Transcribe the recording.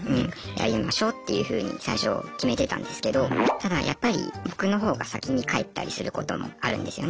やりましょうっていうふうに最初決めてたんですけどただやっぱり僕の方が先に帰ったりすることもあるんですよね。